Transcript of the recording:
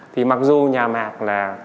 thì mặc dù nhà mạc là